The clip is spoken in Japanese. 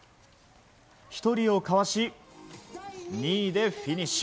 １人をかわし２位でフィニッシュ。